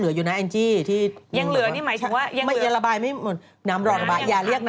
อืมเออล้นมาเลย